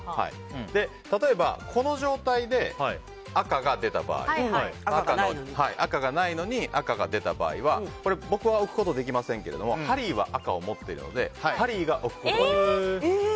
例えば、この状態で赤が出た場合赤がないのに赤が出た場合は僕は置くことできませんけれどもハリーは赤を持っているのでハリーが置くことができます。